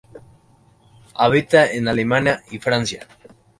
Habita en Alemania y Francia.